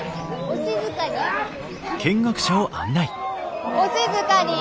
お静かに。